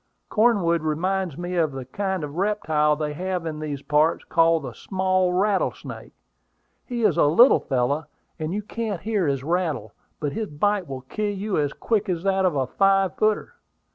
Cornwood reminds me of a kind of reptile they have in these parts, called the small rattlesnake. He is a little fellow, and you can't hear his rattle; but his bite will kill you as quick as that of a five footer.